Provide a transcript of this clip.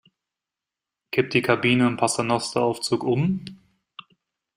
Kippt die Kabine im Paternosteraufzug um?